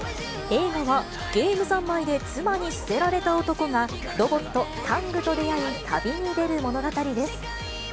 映画は、ゲーム三昧で妻に捨てられた男が、ロボット、タングと出会い旅に出る物語です。